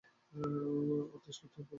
আন্দাজ করতে ভুল কর নি তো কানাই?